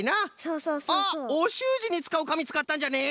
あっおしゅうじにつかうかみつかったんじゃね。